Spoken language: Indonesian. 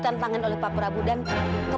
saya masih kra license